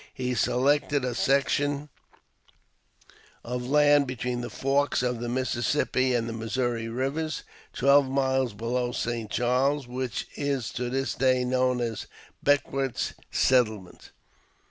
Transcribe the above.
He selected a section of land between the forks of the Mississippi and Missouri Elvers, twelve miles below St. Charles, which is to this day known as " Beckwourth's Settlement."